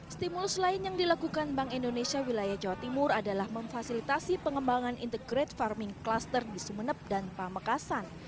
stimulus lain yang dilakukan bank indonesia wilayah jawa timur adalah memfasilitasi pengembangan integrate farming cluster di sumeneb dan pamekasan